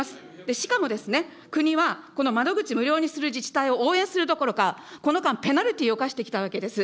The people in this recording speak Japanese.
しかも国は、この窓口無料にする自治体を応援するどころか、この間、ペナルティーを課してきたわけです。